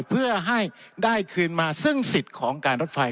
เพื่อให้ได้คืนมาซึ่งสิทธิ์ของการรถไฟ